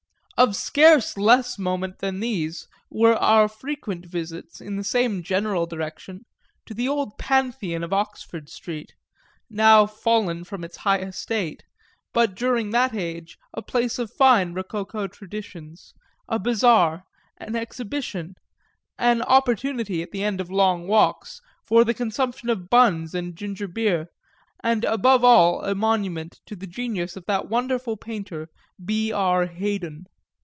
Of scarce less moment than these were our frequent visits, in the same general connection, to the old Pantheon of Oxford Street, now fallen from its high estate, but during that age a place of fine rococo traditions, a bazaar, an exhibition, an opportunity, at the end of long walks, for the consumption of buns and ginger beer, and above all a monument to the genius of that wonderful painter B. R. Haydon.